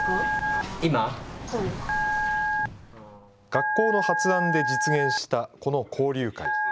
学校の発案で実現したこの交流会。